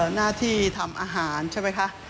หน้าที่ทำอาหารใช่ไหมคะ